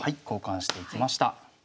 交換していきました。